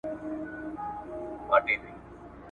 ورته پیسې راځي مالونه راځي ..